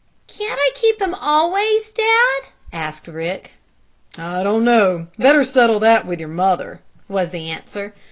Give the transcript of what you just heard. "Can't I keep him always, Dad?" asked Rick. "I don't know. Better settle that with your mother," was the answer.